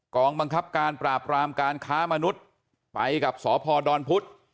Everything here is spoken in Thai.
องบังคับการปราบรามการค้ามนุษย์ไปกับสพดพุธ